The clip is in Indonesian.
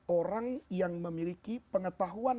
orang yang memiliki pengetahuan